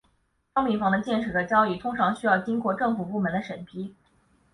商品房的建设和交易通常需要经过政府部门的审批。